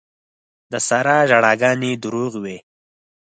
د سارا ژړاګانې دروغ وې.